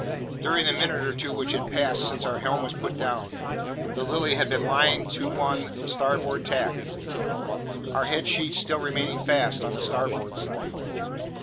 During the minute or two which had passed since our helm was put down, the Lily had been lying to on the starboard tack; our head sheets still remaining fast on the starboard side.